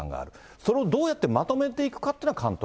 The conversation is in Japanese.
それをどうやってまとめていくかというのは監督。